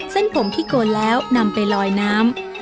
เส้นผมที่โกนแล้วนำไปลอยน้ำ